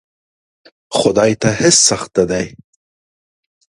خدای ته هیڅ سخت نه دی!